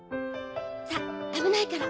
さぁ危ないから。